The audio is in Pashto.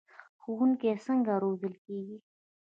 ښوونکي څنګه روزل کیږي؟